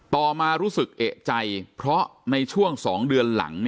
ต่อมารู้สึกเอกใจเพราะในช่วง๒เดือนหลัง